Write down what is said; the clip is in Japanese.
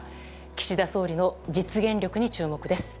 岸田総理の実現力に注目です。